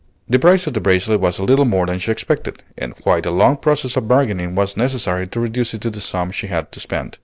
The price of the bracelet was a little more than she expected, and quite a long process of bargaining was necessary to reduce it to the sum she had to spend.